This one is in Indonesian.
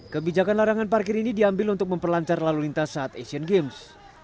kebijakan larangan parkir ini diambil untuk memperlancar lalu lintas saat asian games